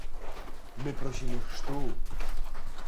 "„My prosimy chrztu!"